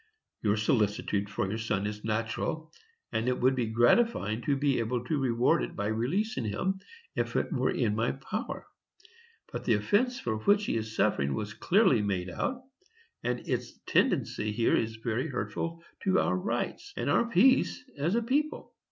Your solicitude for your son is natural, and it would be gratifying to be able to reward it by releasing him, if it were in my power. But the offence for which he is suffering was clearly made out, and its tendency here is very hurtful to our rights, and our peace as a people.